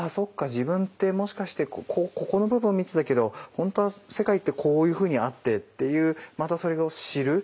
自分ってもしかしてここの部分を見てたけど本当は世界ってこういうふうにあって」っていうまたそれを「知る」。